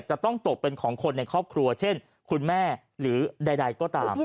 จะต้องตกเป็นของคนในครอบครัวเช่นคุณแม่หรือใดก็ตาม